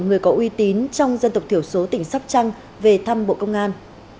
người có uy tín trong dân tộc thiểu số tỉnh sóc trăng về thăm bộ công an